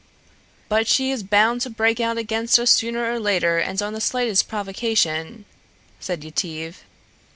"But she is bound to break out against us sooner or later and on the slightest provocation," said Yetive.